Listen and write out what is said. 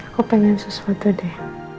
aku pengen sesuatu deh